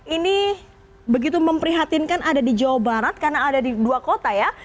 ini begitu memprihatinkan ada di jawa barat karena ada di dua kota ya